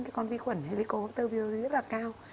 cái con vi khuẩn helicobacter pylori rất là cao